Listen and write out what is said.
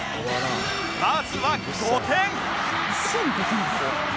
まずは５点